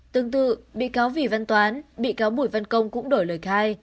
tương tự bị cáo vì văn toán bị cáo bùi văn công cũng đổi lời khai